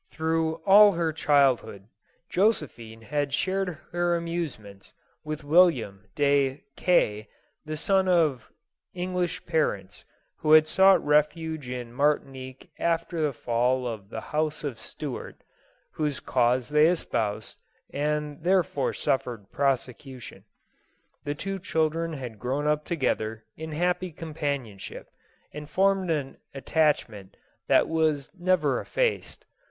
Through all her childhood, Josephine had shared her amusements with William de K ..., the son of i.nglish parents who had sought refuge in Martinique after the fall of the House of Stuart, whose cause they espoused, and therefore suffered proscription. The two children had grown up together in happy compan ionship, and formed an attachment that was never ef faced.